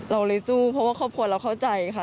เราเลยสู้เพราะว่าครอบครัวเราเข้าใจค่ะ